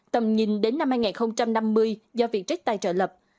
tầm nhìn đến năm hai nghìn năm mươi do việc trách tài trợ lập